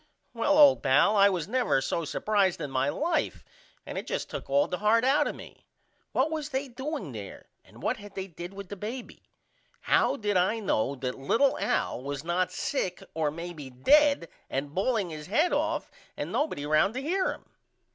Well old pal I was never so supprised in my life and it just took all the heart out of me. What was they doing there and what had they did with the baby? How did I know that little Al was not sick or maybe dead and balling his head off and nobody round to hear him?